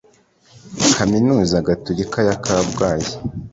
kaminuza gatolika ya kabgayi